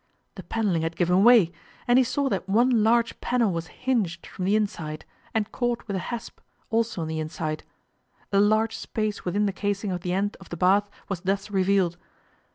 The panelling had given way, and he saw that one large panel was hinged from the inside, and caught with a hasp, also on the inside. A large space within the casing of the end of the bath was thus revealed.